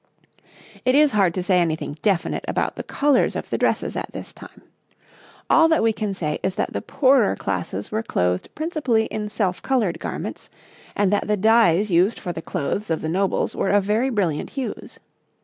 It is hard to say anything definite about the colours of the dresses at this time. All that we can say is that the poorer classes were clothed principally in self coloured garments, and that the dyes used for the clothes of the nobles were of very brilliant hues.